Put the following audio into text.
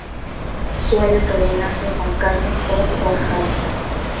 Suelen rellenarse con carne o cuajada.